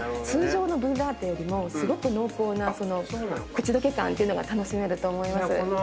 通常のブッラータよりもすごく濃厚な口溶け感っていうのが楽しめると思います。